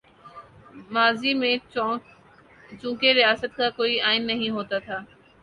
ماضی میں چونکہ ریاست کا کوئی آئین نہیں ہوتا تھا۔